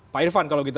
pak irvan kalau gitu